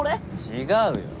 違うよ。